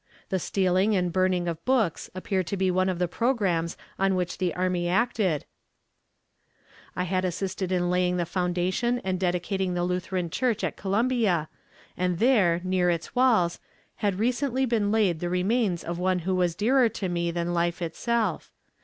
The stealing and burning of books appear to be one of the programmes on which the army acted, I had assisted in laying the foundation and dedicating the Lutheran Church at Columbia, and there, near its walls, had recently been laid the remains of one who was dearer to me than life itself.